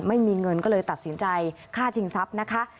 ไม่มีเงินก็เลยตัดสินใจฆ่าชิงทรัพย์นะคะ